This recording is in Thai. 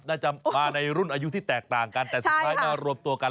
น่าจะมาในรุ่นอายุที่แตกต่างกันแต่สุดท้ายมารวมตัวกัน